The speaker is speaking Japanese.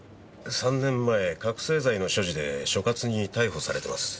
３年前覚せい剤の所持で所轄に逮捕されてます。